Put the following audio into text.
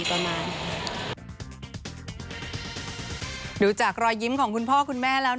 ดูจากรอยยิ้มของคุณพ่อคุณแม่แล้ว